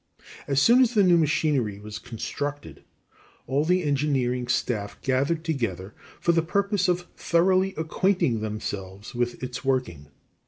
As soon as the new machinery was constructed, all the engineering staff gathered together for the purpose of thoroughly acquainting themselves with its working.